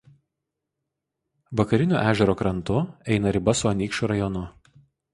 Vakariniu ežero krantu eina riba su Anykščių rajonu.